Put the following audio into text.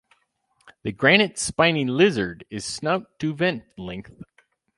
The granite spiny lizard is snout-to-vent length.